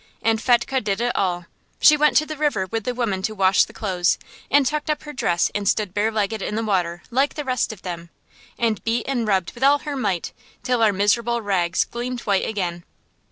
And Fetchke did it all. She went to the river with the women to wash the clothes, and tucked up her dress and stood bare legged in the water, like the rest of them, and beat and rubbed with all her might, till our miserable rags gleamed white again.